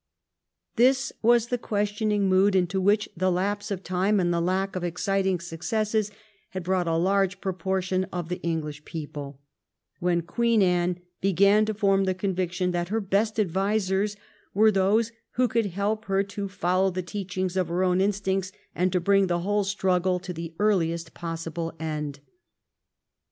This was the questioning mood into which the lapse of time and the lack of exciting successes had brought a large proportion of the English people, when Queen Anne began to form the conviction that her best ad visers were those who could help her to follow the teachings of her own instincts and to bring the whole struggle to the earliest possible end.